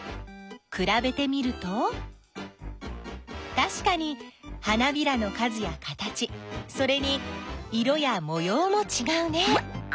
くらべてみるとたしかに花びらの数や形それに色やもようもちがうね。